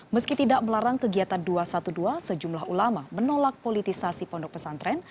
meski tidak melarang kegiatan dua ratus dua belas sejumlah ulama menolak politisasi pondok pesantren